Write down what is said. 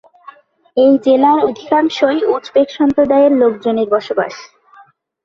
এই জেলার অধিকাংশই উজবেক সম্প্রদায়ের লোকজনের বসবাস।